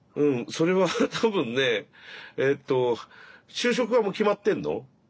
それは多分ねえと就職はもう決まってんの？